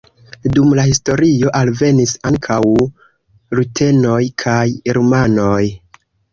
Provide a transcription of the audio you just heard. Dum la historio alvenis ankaŭ rutenoj kaj rumanoj.